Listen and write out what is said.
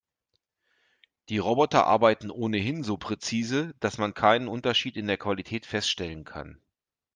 Die Roboter arbeiten ohnehin so präzise, dass man keinen Unterschied in der Qualität feststellen kann.